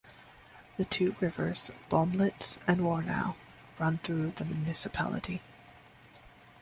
The two rivers, Bomlitz and Warnau run through the municipality.